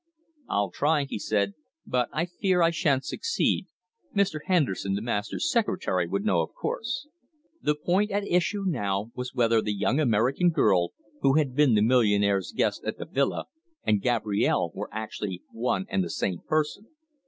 "I'll try," he said. "But I fear I shan't succeed. Mr. Henderson, the master's secretary, would know, of course." The point at issue now was whether the young American girl, who had been the millionaire's guest at the villa, and Gabrielle Engledue were actually one and the same person.